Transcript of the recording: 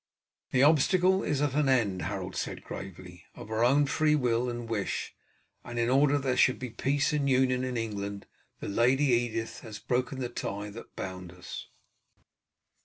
"The obstacle is at an end," Harold said gravely. "Of her own free will and wish, and in order that there should be peace and union in England, the Lady Edith has broken the tie that bound us."